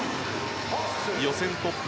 予選トップ。